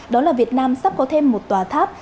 đó là việt nam sắp có thêm một tòa tháp